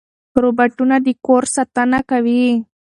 روباټونه د کور ساتنه کوي.